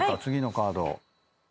次のカードを。